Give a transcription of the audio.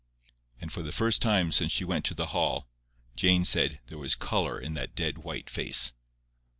And for the first time since she went to the Hall, Jane said, there was colour in that dead white face.